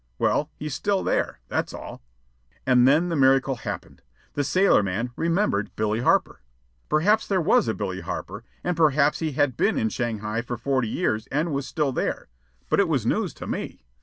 Well, he's still there, that's all." And then the miracle happened. The sailorman remembered Billy Harper. Perhaps there was a Billy Harper, and perhaps he had been in Shanghai for forty years and was still there; but it was news to me.